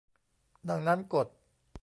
ดังนั้นกฎ